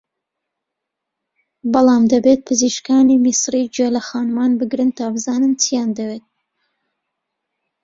بەڵام دەبێت پزیشکانی میسری گوێ لە خانمان بگرن تا بزانن چییان دەوێت